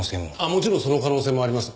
もちろんその可能性もあります。